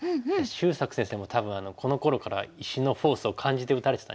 秀策先生も多分このころから石のフォースを感じて打たれてたんじゃないですかね。